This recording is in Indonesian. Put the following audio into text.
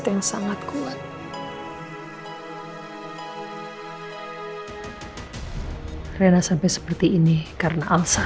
pasti reina kepikiran al terus